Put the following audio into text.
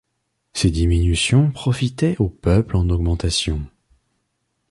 Ces diminutions profitaient au peuple en augmentation.